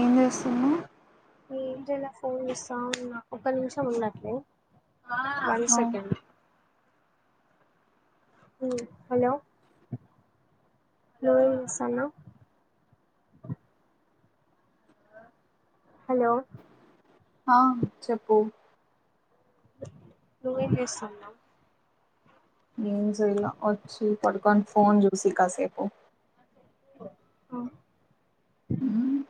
ఏం చేస్తున్నావ్ ఏం లేదు అక్క ఫోన్ చూస్తా ఉన్న ఒక్క నిమిషం ఉండండి వన్ అవ్ సెకండ్ హ్మ్ హలో హ సనా హలో ఆ చెప్పు నువ్వేం చేస్తున్నావ్ ఏం చేయాలా వచ్చి పడుకొని ఫోన్ చూసి కాసేపు ఆ ఉమ్,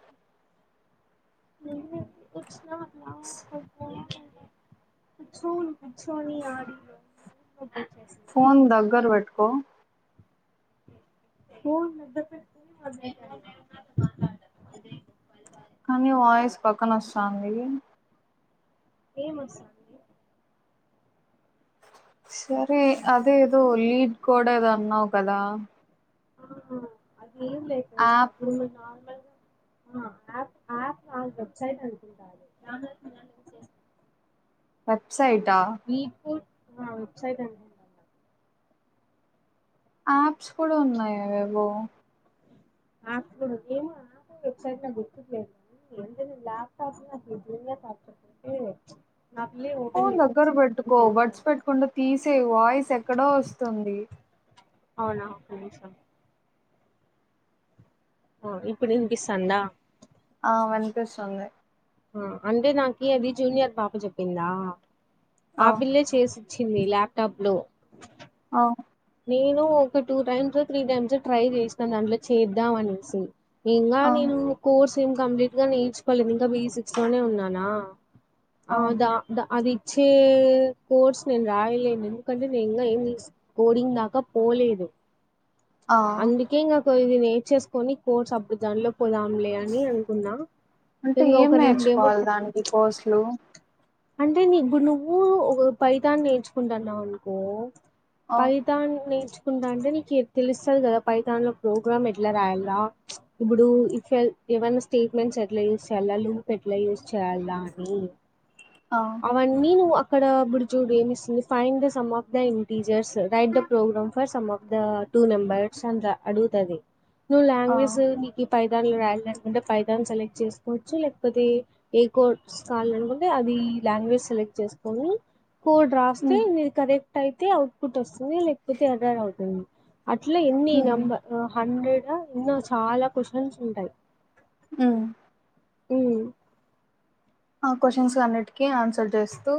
[unintelligible] కూర్చొని కూర్చొని ఆడి పో ఫోన్ దగ్గర పెట్టుకో ఫోన్ దగ్గర పెట్టుకో కానీ వాయిస్ పక్కన వస్తాంది ఏం వస్తాంది సరే అదే ఏదో లీడ్ కూడా ఏదో అన్నావు కదా ఆహా అదేం లేదు లే యాప్ నేను నార్మల్గా యాప్ వెబ్సైట్ అనుకుంట అది వెబ్సైట్ ఆ వీట్ ఫుడ్ వెబ్సైట్ అనుకుంట యాప్స్ కూడా ఉన్నాయి అవేవో ఆప్స్ నాకు వెబ్సైట్ లో గుర్తుట్లేదు ఎంత లాప్టాప్ నిజంగా నాకు టచ్ ఉండి ఉంటే ఫోన్ దగ్గర పెట్టుకో బడ్స్ దాని పెట్టుకుండా తీసే వాయిస్ ఎక్కడో వస్తుంది అవునా ఒక్క నిమిషం ఇప్పుడు ఇంపిస్తందా ఆ వినిపిస్తుంది అంటే నాకి అది జూనియర్ పాప చెప్పిందా ఆ పిల్లే చేసి చ్చింది ల్యాప్టాప్ లో అ నేను ఒక two times three times try చేసినాను దాంట్లో చేద్దాం అనేసి ఇంకా ఆ నేను కోర్స్ ఏం కంప్లీట్ గా నేర్చుకోలేదు ఇంకా బేసిక్స్ లోనే ఉన్నానా ఆ అదా అది వచ్చే కోర్స్ నేను రాయలేను ఎందుకంటే నేను ఇంకా ఏం తీసు కోడింగ్ దాకా పోలేదు ఆ అందుకే ఇంగా కొది ట్ చేసుకోని కోర్ట్స్ అప్పుడు దానిలో పోదాంలే అని అనుకున్నా అంటే ఇంకా ఏం ఒక రెండేమో నేర్చుకోవాలి దానికి కోర్సులు అంటే ఇప్పుడు నువ్వు ఒక ఫైతాన్ని నేర్చుకుంటున్నావు అనుకో ఆ పైతాన్ నేర్చు కుంటా అంటే నీకు తెలుస్తుంది కదా ఫైతాన్ లో ప్రోగ్రామ్ ఎట్లా రాయాల ఇప్పుడు ఏమైన్నా స్టేట్మెంట్లు యూస్ చేయాలా లుప్ ఎట్లా యూ స్ చేయలాని ఆ అవన్నీ నువ్వు అక్కడ ఇప్పుడు చూడు ఏమి ఇస్తుంది find the sum of the integers right the program for sum of the two numbers అని అడుగుతది నువ్ ఆ లాంగ్వేజ్ పైదాన్లు రాయాలి అనుకుంటే పైదాన్ సెలెక్ట్ చేసుకోవచ్చు లేకపోతే ఏ కోడ్ కావాలి అనుకుంటే అది లాంగ్వేజ్ సెలెక్ట్ చేసుకోని కోడ్ రాస్తే హ్మ్ నీది కరెక్ట్ అయితే అవుట్ పుట్ వస్తుంది లేకపోతే ఎర్రర్ అవుతుంది అట్లా ఎన్ని హ్మ్ నంబ హండ్రెడ్ ఎన్నో చాలా క్వశ్చన్స్ ఉంటాయి ఉమ్ ఉమ్ ఆ క్వశ్చన్స్ అన్నిటికీ ఆన్సర్ చేస్తూ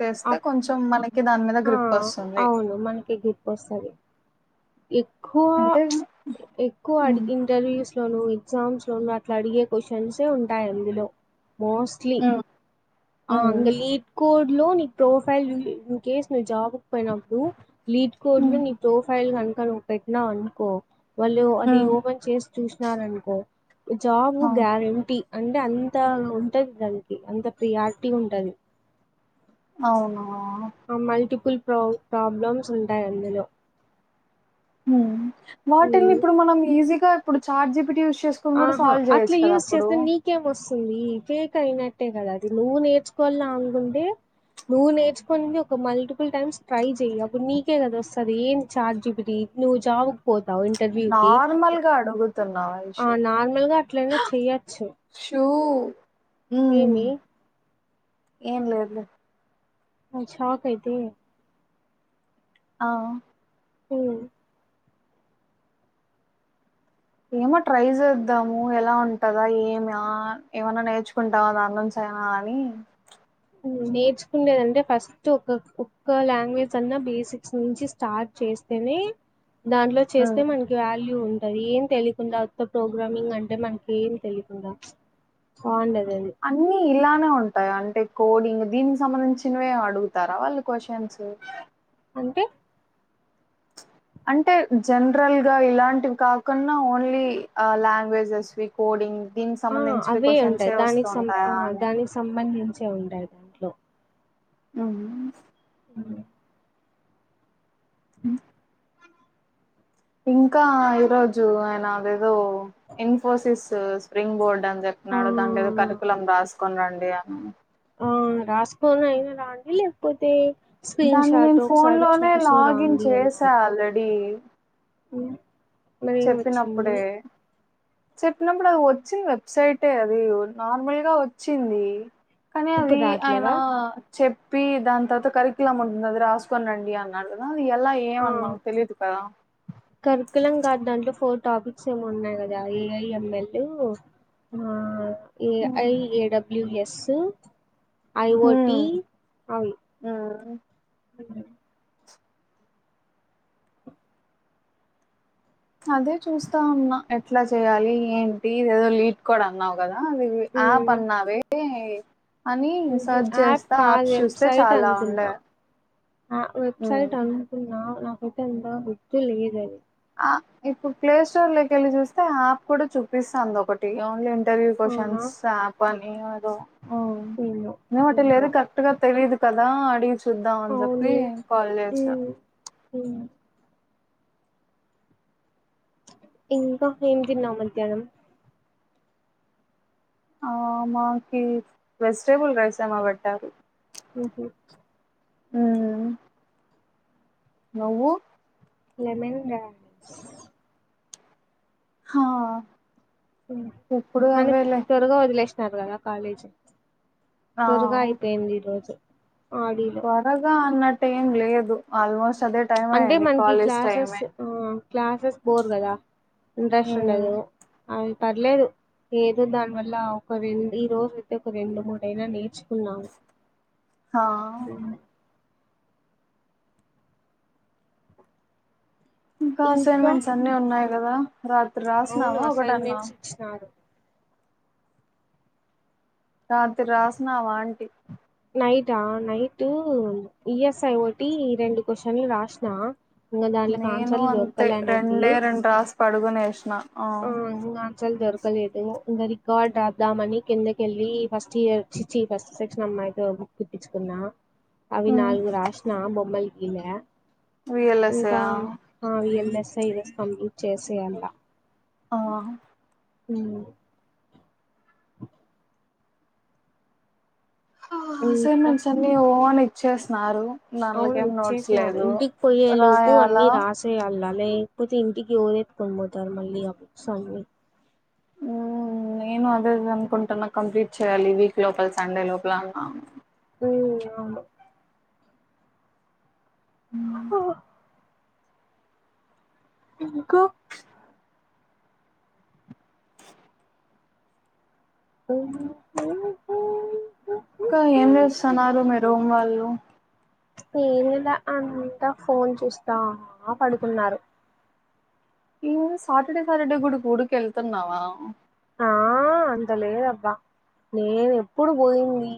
చేస్తే అప్- కొంచెం మనకి దాని మీద గ్రిప్ వస్తుంది వస్తది ఎక్కువ అంటే ఎక్కువ హ్మ్ ఇంటర్వ్యూస్ లోను ఎగ్జామ్స్ లోనూ అట్లా అడిగే క్వశ్చన్సే ఉంటాయి అందులో మోస్ట్లీ హ్మ్ అ హ్మ్ లీట్ కోడ్ లో నీ ప్రోఫైల్ చులే ఇన్ కేస్ నువ్ జాబ్క్ పోయినప్పుడు లీడ్ కోడ్లు హ్మ్ నీ ప్రోఫైల్ కన్ అక్కడ పెట్నా అనుకో వాళ్ళు అది హ్మ్ ఓపెన్ చేసి చూసినారనుకో జాబు అవు గ్యారంటీ అంటే అంత ఉంటది దానికి అంత ప్రియారిటీ ఉంటది అవున ఆ మల్టిపుల్ ప్రో ప్రబ్లెమ్స్ ఉంటయందులో ఊ వాటిని ఉమ్. ఇప్పుడు మనం ఈజీగా ఇప్పుడు చార్జిపిటి చూస్ ఆహా అట్లా యూజ్ చేస్తే నీకేం వస్తుంది కేకైనాట్టెగా అది నువ్వు నేర్చుకోవాలి లాన్ గుండే నువ్వు నేర్చుకోనింది ఒక మల్టిపుల్ టైమ్స్ ట్రై చెయ్ అప్పుడు నీకే కదా వస్తది ఏంటి చార్జిపిటి నువ్వు జాబుకు పోతావు ఇంటర్వూ కి నార్మల్గా అడుగుతున్నా ఆ ఐషు నార్మల్గా అట్లనే చెయ్యొచ్చు ఏమి ఏన్లేదులే నీ చాకయితే ఆ ఊ ఏమో ట్రై చేద్దాము ఎలా ఉంటదా ఏమి ఆ ఏమన్నా నేర్చుకుంటాం దానిలోంచి అని రావాలి నేర్చుకుండేదంటే ఫస్ట్ ఒక ఒక్క లాంగ్వేజ్ అన్నా బేసిక్స్ నుంచి స్టార్ట్ చే స్తే నే దాంట్లో చేస్తే హ్మ్ మనకి వాల్యూ ఉంది అదేం తెలియకుండా ఉత్త ప్రోగ్రామింగ్ అంటే మనకి ఏం తెలియకుండా బాగుండది అన్ని ఇలానే ఉంటాయి అంటే కోడింగ్ దీనికి సంబంధించినవి అడుగుతారా వాళ్ళు క్వశన్స్ అంటే [inaudible] అంటే జనరల్ గా ఇలాంటివి కాకుండా ఓన్లీ లాంగ్వేజెస్వి కోడింగ్ దీనికి ఆ సంబంధించి అవే ఉంటయి క్వశ్చన్సే వస్తూ దానికి సం ఆ ఉంటాయా అని దానికి సంబంధించే ఉంటయి దాంట్లో ఊహు ఊ ఉ ఇంకా ఈరోజు ఆయన అదేదో ఇన్ఫోసిసు స్ప్రింగ్ బోర్డ్ అని ఆ చెప్పినాడు దాంట్లో ఏద కరికులం రాసుకుని రండి అని ఆ రాసుకోని అయినా రాండి లేకపోతే స్క్రీన్ దాన్ని షాట్ నేను ఫోన్ ఒకసారి లోనే చూస్తూ లాగిన్ రాండి చేసా అన్నారు ఆల్రెడీ ఊ చెప్పినప్పుడే చెప్పినప్పుడు అది వచ్చింది వెబ్సైటే అది నార్మల్ గా వచ్చింది కానీ అది ఇప్పుడు ఆయనా రాట్లేదా చెప్పి దాని తర్వాత కరికులం ఉంటుంది అది రాసుకని రండి అన్నాడు కదా అ ఎలా ఆ ఏమనవ్ తెలిదు కదా కరికులం కాదు దాంట్లో ఫోర్ టాపిక్స్ ఏమో ఉన్నాయి కదా ఏఐఎంఎల్ ఉ ఆ ఐఏ హ్మ్ ఏ డబ్ల్యూ ఎస్ ఐవోటి హ్మ్ అది అదే చూస్తా ఉన్నా ఎట్లా చేయాలి ఏంటి ఇద ఏదో లీడ్ కోడ్ అన్నావు కదా ఆ ఇది ఆ ఉమ్, పన్నవే అని ఉహు సర్చ్ యాప్ చేస్తా కాదు యాప్స్ చూస్తే వెబ్సైట్ చాలా ఉండే అనుకున్నా ఆ హ్మ్ వెబ్సైట్ అనుకున్నా నాకైతే ఇంతవరకు గుర్తు లేదది అ ఇప్పుడు ప్లే స్టోర్ లోకి వెళ్ళి చూస్తే యాప్ కూడా చూపిస్తంది ఒకటి ఓన్లీ డవి అవునా క్వశ్చన్స్ ఆప్ అని అదో ఆ ఏమో [unintelligible] ఏదోటి లేదు ఏమో కరెక్ట్ గా తెలీదు కదా అడిగి చూద్దాం అని చెప్పి అవునులే కాల్ చేసా ఉమ్ ఉమ్ ఇంకా ఏం తిన్నావు మధ్యాహ్నం ఆ మాకి వెజిటేబుల్ రైసామాబడ్డారు ఉ ఉమ్ నవ్వు లమెన్ రస్ హా మ్ ఎప్పుడు అన్ అవేలే త్వరగా వదులెష్ త్వరగా కాలేజీ ఆ త్వరగా అయిపోయింది ఈ రోజు ఆడిలో త్వరగా అన్నట్టు ఏం లేదు ఆల్మోస్ట్ అదే టైం అంటే అయింది మనకి కాలేజ్ క్లాసెస్ టైమే ఆ క్లాసెస్ బోర్ కదా ఇంట్రెస్ట్ మ్మ్ ఉంటదు ఆమ్ పర్లేదు ఏదో దాని వల్ల ఒక రెండు ఈ రోజు అయితే ఒక రెండు మూడుయినా నేర్చుకుందాం హా ఇంకా అసైన్మెంట్స్ అన్ని ఉన్నాయి కదా రాత్రి అవును రాసినవా ఒకటన్నా అసైన్మెంట్స్ ఇచ్చినారు రాత్రి రాసినవా ఆంటి నైటా నైటు ఈఎస్ఐ ఒకటి రెండు క్వశ్చన్లు రాసిన ఇం దాంట్లో నేను ఆన్సర్లు అంతే దొరుకాలే అని చెప్పి రెండే రెండు రాసి పడుకునేసిన ఆ ఇగ ఆన్సర్ దొరక్ లేదు ఇంకా రికార్డ్ రాద్దామని కిందకెళ్ళి ఫస్ట్ ఇయర్ చిచ్చి ఫస్ట్ సెక్షన్ అన్నమాట అ బుక్ కుట్టించుకున్న అవి ఉమ్ నాలుగు రశిన బొమ్మల్ గీల విఎల్ఎస్ఏ ఇంకా ఆ ఆవిఎంఎస్ఐఎల్ కంప్లీట్ చేయాల ఆ మ్ ఇంకా అసైన్మెంట్స్ అన్ని ఓ అని ఇచ్చేస్తున్నారు అవును ఇచ్చేసినారు ఇంటికి పోయే లోపు రాయాలా అన్ని రాసేయళ్ళ లేక్పోతే ఇంటికి ఓవరేత్తుకొని పోతారు మళ్ళీ అ బుక్సన్ని మ్ నేను అదే అనుకుంటున్నా కంప్లీట్ చేయ్యాలి వీక్ లోపల సండే లోపల అన్నా ఓ అవును హ ఇంక [inaudible] ఇకా ఏం చేస్తున్నారు మీ రూమ్ వాళ్ళు ఏం లేదా అంతా ఫోన్ చూస్తా పడుకున్నారు ను సాటర్డే సాటర్డే గుడ్ గూడికి వెళ్తున్నావా. ఆ అంత లేదబ్బా నేను ఎప్పుడు పోయింది.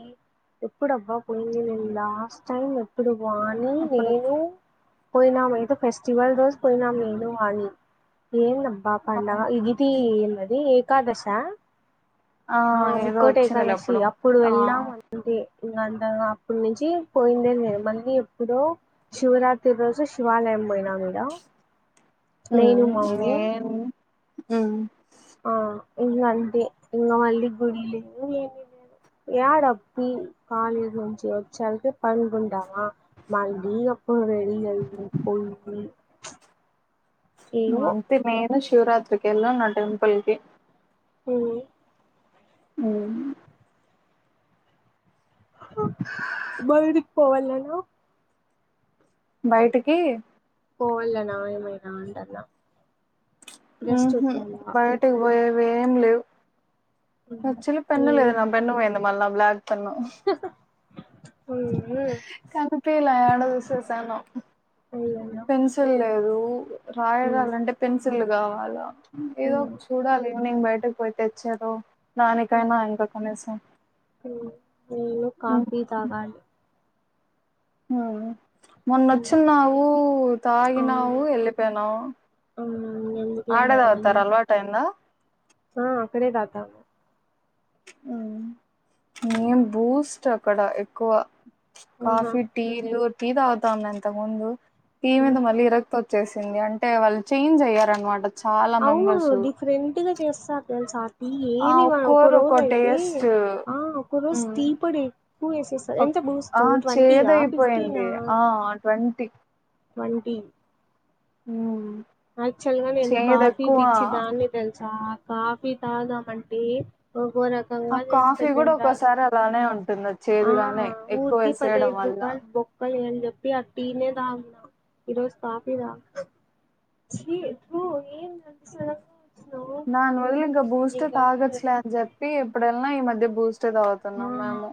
ఎప్పుడు అబ్బా పోఇంది లాస్ట్ టైమ్ ఎప్పుడు అ అప్పుడు పోయినా మీత ఫెస్టివల్ రోజ్ పోయిన నేను ఆయన ఏందబ్బా పాండగ ఇ గిది ఏమది ఏకాదశ ఆ ఏదో ముక్కోటి వచ్చిందిలే ఏకాదశి అప్పుడు ఆ వెళ్ళాం అంటే ఇంకా అంతగా అప్పడు నుంచి పోయిందే లేదు మళ్ళీ ఎప్పుడో శివరాత్రి రోజు శివాలయం బోయినా దేవుడా నేను మావు మ్ ఇంకా అంటే ఇంకా మళ్ళీ గుడి లేద్ లేద్ [unintelligible] అప్పుడు రెడి ఐతున్న పోయి పోయి మంతో పోయిన శివరాత్రకి ఎలా నా టెంప్ల్కి ఉమ్ మ్ బయటికి పోవాలనా బయటికి పోవాళ్ళన ఏంమేనా అంటున్న ఉహు బయటికి పోయేవి ఏం లేవు అయ్యన్నా అక్చుఅల్లీ పెన్ను లేదు నేను పెన్ను పోయింది మల్లా బ్లాక్ పెన్ను ఉమ్ కనిపిలా యాడ చూసేసాను అయ్యన్న పెన్సిల్ లేదు ఉ ఉమ్ రాయగలంటే టే పెన్సిల్స్ కావాలా ఉమ్ ఏదోక్ చూడాలి ఈవినింగ్ బయటకు పోయితేచ్చారు దానికైనా ఇంకా కనీసం ఏ కాఫీ తాగాలి హ మొన్నొచ్చన్నావు ఆ తాగినావు వెళ్ళిపోయినావు ఎందుకులే ఆడ మనవళ్ళి తగుతరా అలవాటు అయిందా ఆ అక్కడే తాగుతా మేం బూస్ట్ అక్కడ ఎక్కువ ఆహా కాఫీ టీలు టీీ తావతా అమ్మెంత తగ ముందు టీ ఉమ్ మీంద మళ్ళ ఇర త చ్చేసింది అంటే వాళ్ళు చేంజ్ అయ్యారనమాట చాలా అవును మెంబర్స్ డిఫరెంట్ గా చేస్తారు తెలుసా ఆ ఏమివాళ ఒక ఒక్కోరు రోజ ఒక్కో అయితే టేస్ట్ ఆ ఒక రోజుతీ హ్మ్ టీ పొడి ఎక్కువ వేసేస్తార ఒక్ ఎంత బూస్ట్ ఆ ట్వంటయా ఫిఫటీనా చేదయిపోయింది ఆ ట్వంటీ వన్ టీ ఉ క్చువల్ గా నేను కాఫీ పిచ్చి దాన్ని తెలుసా కాఫీ తాగమంటే ఆ కాఫీ కూడా ఒక్కసారి అలానే ఉంటుంది ఆ చేదుగానే ఎక్కువ ఊరికి వేసేయడం పదైదు వల్ల రూపాయలు బొక్కలు చెప్పి అ టీనే తగిన ఈరోజు కాఫీ తాగ చీ తూ ఏం నచ్చలె నాకు నన్ వల్ళ ఇంకా బూస్ట్ వచ్చినావ్ తాగచ్చలేని చెప్పి ఇప్పుడెల ఈ మధ్య బూస్ట్ ఏ తగుతున్నాం ఆ మేము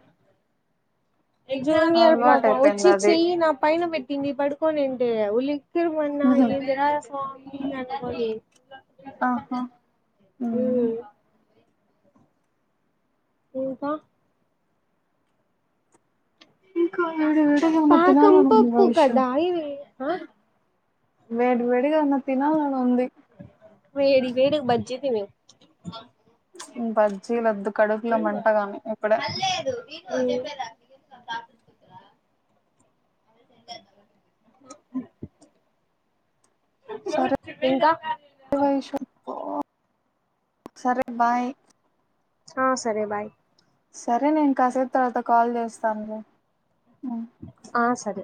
ఎగ్జామ్ ఇయర్ అలవాటు పాప అయిపోయింది వచ్చి అది. చెయ్యి నా పైన పెట్టింది పడుకోనింటే ఉల్లి క్కరు మన్నా హ్మ్. ఎందిరా సామి అనుకోని ఆహా హ్మ్మ్ ఉమ్ ఇంకా ఇంకా వేడి వేడిగా ఏం అన్న తినాల పాకం అని పప్పు వైషు కదా ఇది ఆ వేడి వేడిగా అన్న తినాలనీ ఉంది వేడి వేడి బజ్జి తిను బజ్జీలద్దు కడుపూల మంట కానీ ఇప్పుడే హ్మ్మ్ సరే ఇంకా వైషు సరే బాయ్ ఆ సరే బాయ్ సరే నేను కాసేపు తర్వాత కాల్ చేస్తాను ఆ సరే